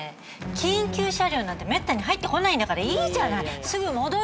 緊急車両なんてめったに入ってこないんだからいいじゃない。